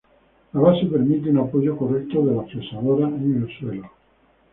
La base permite un apoyo correcto de la fresadora en el suelo.